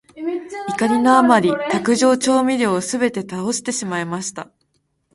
怒りのあまり、卓上調味料をすべて倒してしまいました。